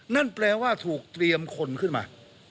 นั่นแปลว่าถูกเตรียมคนขึ้นมา